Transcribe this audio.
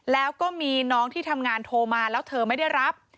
แล้วก็มีน้องที่ทำงานโทรมาแล้วเธอไม่ได้รับ